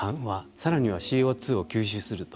さらにはＣＯ２を吸収すると。